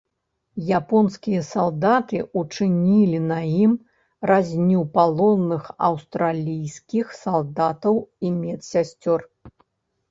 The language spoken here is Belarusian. Японскія салдаты учынілі на ім разню палонных аўстралійскіх салдатаў і медсясцёр.